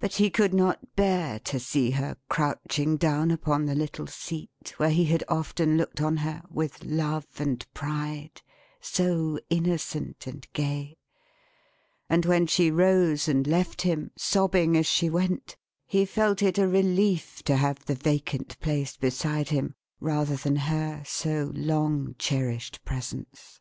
But he could not bear to see her crouching down upon the little seat where he had often looked on her, with love and pride, so innocent and gay; and when she rose and left him, sobbing as she went, he felt it a relief to have the vacant place beside him rather than her so long cherished presence.